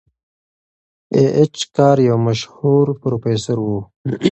ای اېچ کار یو مشهور پروفیسور و.